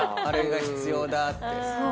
あれが必要だって。